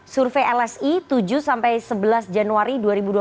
survei lsi tujuh sampai sebelas januari dua ribu dua puluh